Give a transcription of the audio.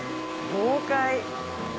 豪快。